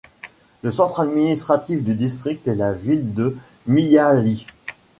Le centre administratif du district est la ville de Miyaly.